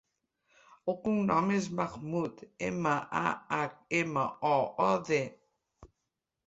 El cognom és Mahmood: ema, a, hac, ema, o, o, de.